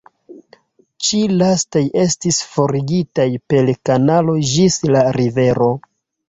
Ĉi lastaj estis forigitaj per kanalo ĝis la rivero.